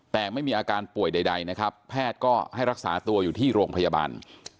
แต่ไม่มีอาการป่วยใดนะครับแพทย์ก็ให้รักษาตัวอยู่ที่โรงพยาบาล